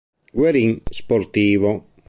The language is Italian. Guerin Sportivo